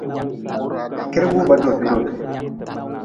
Kirgu ba dote dote.